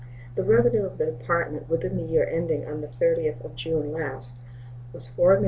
The revenue of the Department within the year ending on the 30th of June last was $4,137,056.